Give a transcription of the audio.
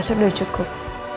aku rasanya udah cukup